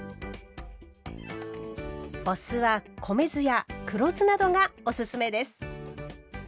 お酢は米酢や黒酢などがおすすめです。